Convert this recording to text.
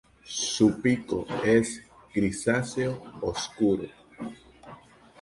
Su pico es grisáceo oscuro.